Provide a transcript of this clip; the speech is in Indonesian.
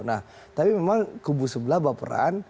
nah tapi memang kubu sebelah baperan